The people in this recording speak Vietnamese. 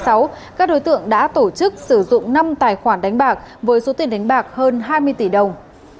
các đối tượng đã tổ chức sử dụng năm tài khoản đánh bạc với số tiền đánh bạc hơn hai mươi tỷ đồng